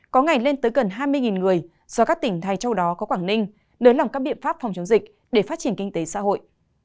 có ngày lên tới gần hai mươi người do các tỉnh thay trong đó có quảng ninh nới lỏng các biện pháp phòng chống dịch để phát triển kinh tế xã hội